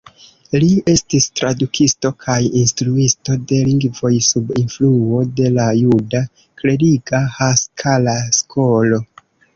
Li estis tradukisto kaj instruisto de lingvoj, sub influo de la juda kleriga Haskala-skolo.